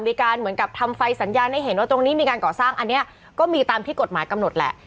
เหมือนกับทำไฟสัญญาณให้เห็นว่าตรงนี้มีการก่อสร้างอันนี้ก็มีตามที่กฎหมายกำหนดแหละ